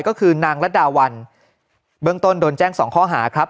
ก็คือนางรัดดาวันเบื้องต้นโดนแจ้งสองข้อหาครับ